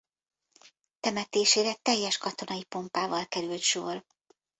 Temetésére teljes katonai pompával került sor.